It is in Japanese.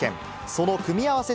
その組み合わせ